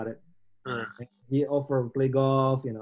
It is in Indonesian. dia menawarkan saya bermain golf ya